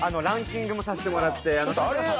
ランキングもさせてもらってあれ